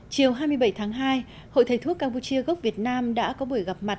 chiều hai mươi bảy tháng hai hội thầy thuốc campuchia gốc việt nam đã có buổi gặp mặt